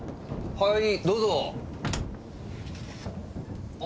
はい。